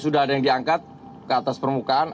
sudah ada yang diangkat ke atas permukaan